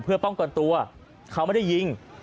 เพื่อป้องกันตัวเขาไม่ได้ยิง